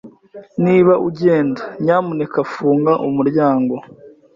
Niba ugenda, nyamuneka funga umuryango.